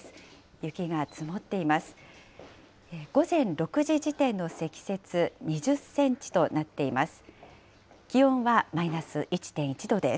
雪が積もっています。